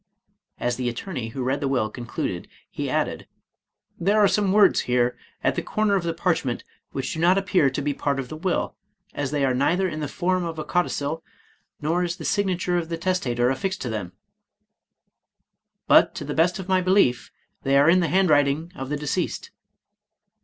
As the attorney who read the will concluded, he added,. " There are some words here, at the corner of the parch ment, which do not appear to be part of the will, as they are neither in the form of a codicil, nor is the signature of the testator affixed to them ; but, to the best of my belief,, they are in the handwriting of the deceased."